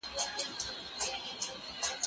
زه باید درس ولولم؟